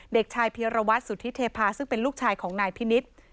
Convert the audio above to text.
เด็กชายเพียรวัตรสุธิเทพาซึ่งเป็นลูกชายของนายพินิษฐ์